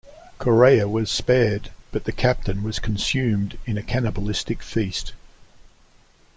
Correia was spared but the captain was consumed in a cannibalistic feast.